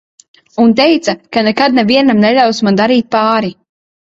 Un teica, ka nekad nevienam neļaus man darīt pāri.